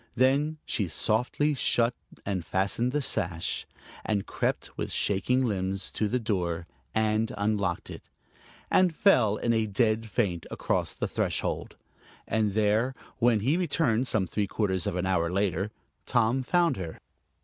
Then she softly shut and fastened the sash, and crept with shaking limbs to the door and unlocked it, and fell in a dead faint across the threshold. And there, when he returned some three quarters of an hour later, Tom found her.